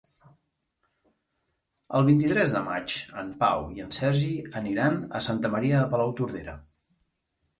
El vint-i-tres de maig en Pau i en Sergi aniran a Santa Maria de Palautordera.